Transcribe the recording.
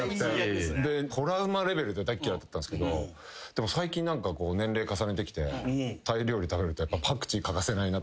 トラウマレベルで大嫌いだったんですけどでも最近年齢重ねてきてタイ料理食べるとやっぱパクチー欠かせないな。